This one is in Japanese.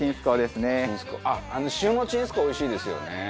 こうおいしいですよね。